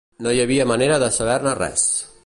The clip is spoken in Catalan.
No hi havia manera de saber-ne res